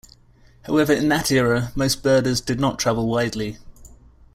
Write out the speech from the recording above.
However, in that era, most birders did not travel widely.